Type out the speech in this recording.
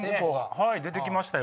はい出て来ましたよ。